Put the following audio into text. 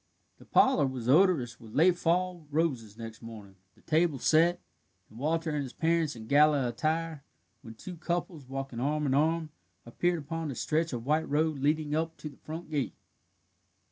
The parlour was odorous with late fall roses next morning, the table set, and Walter and his parents in gala attire, when two couples, walking arm in arm, appeared upon the stretch of white road leading up to the front gate.